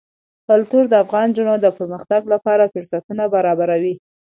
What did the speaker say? کلتور د افغان نجونو د پرمختګ لپاره فرصتونه برابروي.